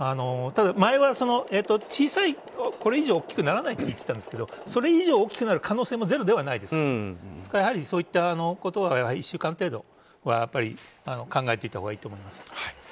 前は、これ以上大きくならないと言っていたんですがそれ以上大きくなる可能性もゼロではないですからそういったことは１週間程度は考えていたほうがいいと思います。